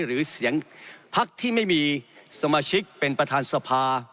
หรือเสียงพักที่ไม่มีสมาชิกเป็นประธานสภา